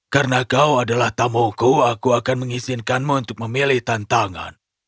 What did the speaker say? karena kau adalah tamuku aku akan mengizinkanmu untuk memilih tantangan